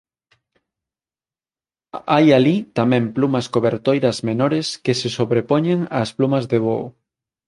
Hai alí tamén plumas cobertoiras menores que se sobrepoñen ás plumas de voo.